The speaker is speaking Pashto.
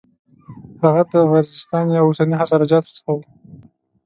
هغه د غرجستان یا اوسني هزاره جاتو څخه و.